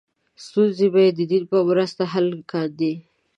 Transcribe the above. ستونزې به یې د دین په مرسته حل کاندې.